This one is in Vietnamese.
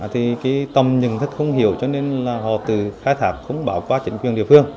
thì cái tầm nhận thức không hiểu cho nên là họ từ khai thác không bảo quát chính quyền địa phương